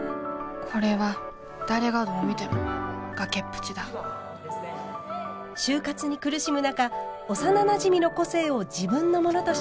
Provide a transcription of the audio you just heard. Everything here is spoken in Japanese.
これは誰がどう見ても崖っぷちだ就活に苦しむ中幼なじみの個性を自分のものとして偽った主人公。